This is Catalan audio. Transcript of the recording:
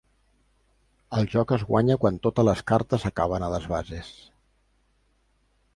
El joc es guanya quan totes les cartes acaben a les bases.